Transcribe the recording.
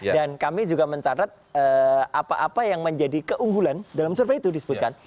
dan kami juga mencatat apa apa yang menjadi keunggulan dalam survei itu disebutkan